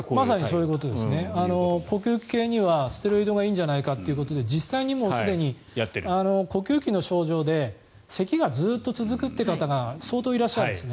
呼吸器系にはステロイドがいいんじゃないかということで呼吸器の症状でせきがずっと続くって方が相当いらっしゃるんです。